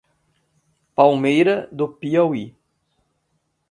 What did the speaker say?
Palmeira do Piauí